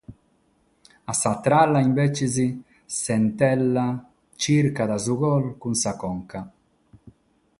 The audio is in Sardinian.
A s'àtera ala, imbetzes, s'Entella chircat su gol cun sa conca.